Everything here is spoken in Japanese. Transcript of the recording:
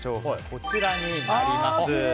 こちらになります。